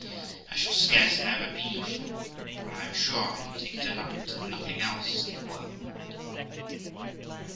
I shall scarce ever be from you; for I am sure I can take delight in nothing else in this world.'